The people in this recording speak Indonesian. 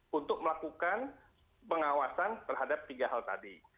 punya bpk untuk melakukan pengawasan terhadap tiga hal tadi